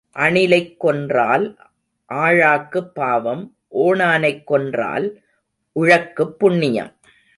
அணிலைக் கொன்றால் ஆழாக்குப் பாவம் ஓணானைக் கொன்றால் உழக்குப் புண்ணியம்.